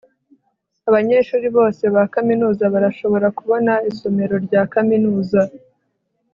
abanyeshuri bose ba kaminuza barashobora kubona isomero rya kaminuza